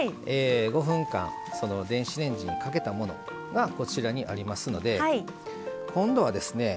５分間電子レンジにかけたものがこちらにありますので今度はですね